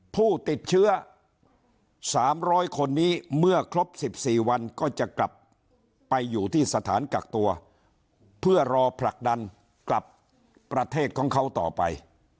ผู้ติดเชื้อ๓๐๐คนนี้เมื่อครบ๑๔วันก็จะกลับไปอยู่ที่สถานกักตัวเพื่อรอผลักดันกลับประเทศของเขาต่อไป